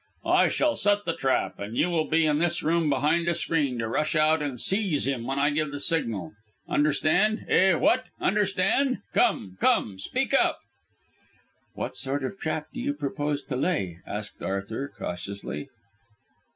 I shall set the trap, and you will be in this room behind a screen to rush out and seize him when I give the signal. Understand? Eh, what? Understand? Come, come! Speak up." "What sort of trap do you propose to lay?" asked Arthur cautiously.